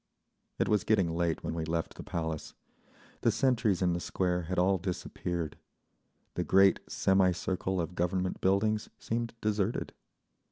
It was getting late when we left the Palace. The sentries in the Square had all disappeared. The great semi circle of Government buildings seemed deserted.